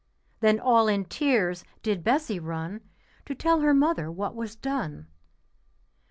Then all in tears did Bessie run To tell her mother what was done.